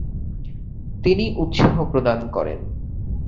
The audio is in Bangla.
তিনি উৎসাহ প্রদান করেন।